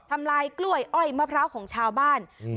ทำลายกล้วยอ้อยมะพร้าวของชาวบ้านอืม